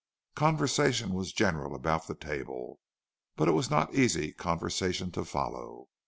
Conversation was general about the table, but it was not easy conversation to follow.